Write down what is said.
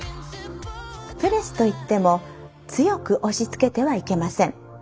プレスといっても強く押しつけてはいけません。